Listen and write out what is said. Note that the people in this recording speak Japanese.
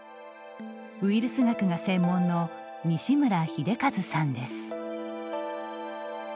ウイルス学が専門の西村秀一さんです。